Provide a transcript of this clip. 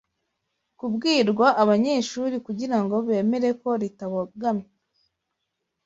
kubwirwa abanyeshuri kugira ngo bemere ko ritabogamye